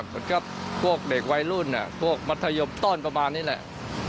พวกเด็กวัยรุ่นพวกมัธยมต้อนประมาณนี้แหละ